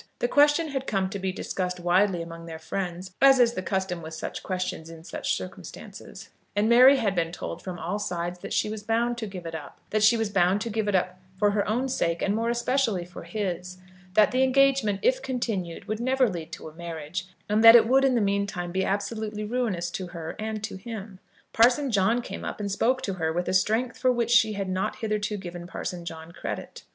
The question had come to be discussed widely among their friends, as is the custom with such questions in such circumstances, and Mary had been told from all sides that she was bound to give it up, that she was bound to give it up for her own sake, and more especially for his; that the engagement, if continued, would never lead to a marriage, and that it would in the meantime be absolutely ruinous to her, and to him. Parson John came up and spoke to her with a strength for which she had not hitherto given Parson John credit.